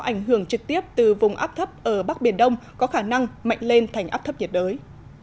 ảnh hưởng trực tiếp từ vùng áp thấp ở bắc biển đông có khả năng mạnh lên thành áp thấp nhiệt đới